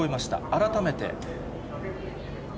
改めて。